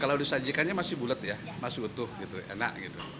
kalau disajikannya masih bulat masih utuh enak